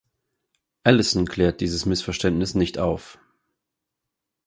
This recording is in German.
Allison klärt dieses Missverständnis nicht auf.